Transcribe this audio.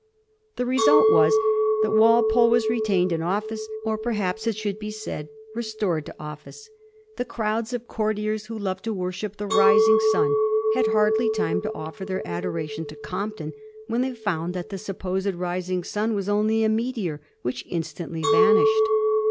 The result was that Walpole was retained in office, or perhaps it should be said restored to office. The crowds of courtiers who love to worship the rising sun had hardly time to offer their adoration to Compton when they found that the supposed rising sun was only a meteor, which instantiy vanished.